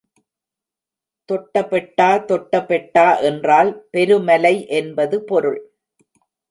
தொட்டபெட்டா தொட்டபெட்டா என்றால் பெருமலை என்பது பொருள்.